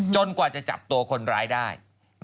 กว่าจะจับตัวคนร้ายได้